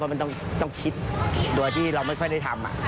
ก็มันต้องต้องคิดตัวที่เราไม่ค่อยได้ทำอ่ะ